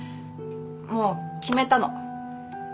もう決めたの。